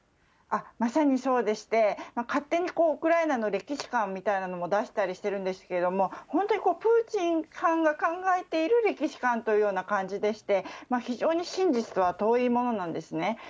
まさにそうでして、勝手にウクライナの歴史観みたいなのも出したりしてるんですけれども、本当にプーチンさんが考えている歴史観というような感じでして、非常に真実とは遠いものなんですね。